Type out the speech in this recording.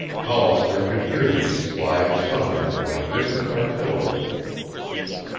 Hollister could hear these slides thundering like distant artillery.